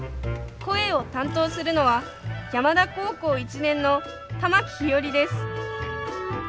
声を担当するのは山田高校１年の玉城日和です。